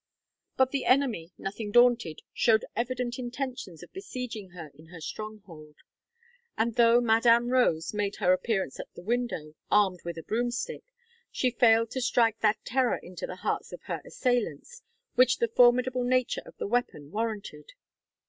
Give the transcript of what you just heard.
But the enemy, nothing daunted, showed evident intentions of besieging her in her stronghold, and though Madame Rose made her appearance at the window, armed with a broomstick, she failed to strike that terror into the hearts of her assailants, which the formidable nature of the weapon warranted.